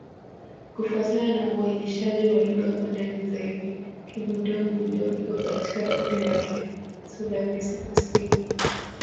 Kufuatana na uainishaji wa lugha kwa ndani zaidi, Kibudong-Budong iko katika kundi la Kisulawesi-Kusini.